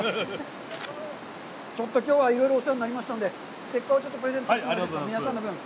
ちょっときょうはいろいろお世話になりましたんで、ステッカーをちょっとプレゼントしてもいいですか、皆さんの分。